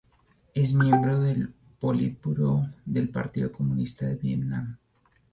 Es miembro del Politburó del Partido Comunista de Vietnam.